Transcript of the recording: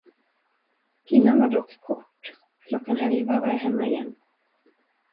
Pinan var dock kort, klockan elva var jag hemma igen.